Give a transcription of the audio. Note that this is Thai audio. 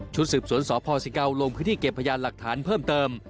สืบสวนสพสิเกาลงพื้นที่เก็บพยานหลักฐานเพิ่มเติม